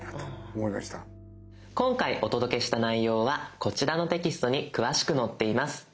今回お届けした内容はこちらのテキストに詳しく載っています。